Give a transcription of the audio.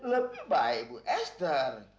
itu lantaran ibu esther